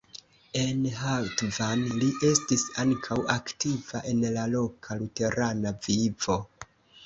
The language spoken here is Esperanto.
En Hatvan li estis ankaŭ aktiva en la loka luterana vivo.